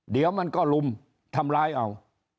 เดี๋ยวมันก็ลุมทำร้ายเอา